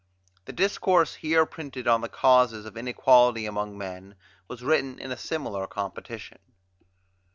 The discourse here printed on the causes of inequality among men was written in a similar competition.